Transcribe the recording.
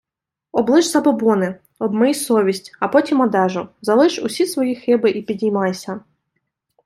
Облиш забобони, обмий совість, а потім одежу, залиш усі свої хиби і підіймайся!